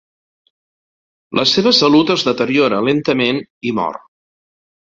La seva salut es deteriora lentament i mor.